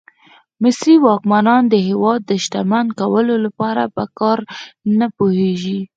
مصري واکمنان د هېواد د شتمن کولو لپاره په کار نه پوهېږي.